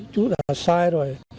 chú đã sai rồi